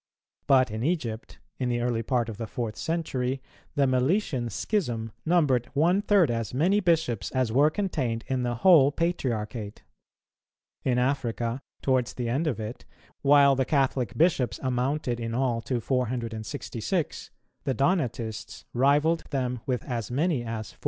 But in Egypt, in the early part of the fourth century, the Meletian schism numbered one third as many bishops as were contained in the whole Patriarchate. In Africa, towards the end of it, while the Catholic Bishops amounted in all to 466, the Donatists rivalled them with as many as 400.